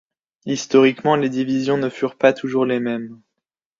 Historiquement les divisions ne furent pas toujours les mêmes.